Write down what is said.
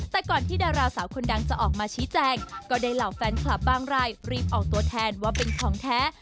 แต่ก่อนที่ดาราสาวคนดังจะออกมาชี้แจงก็ได้เหล่าแฟนคลับบางรายรีบออกตัวแทนว่าเป็นของแท้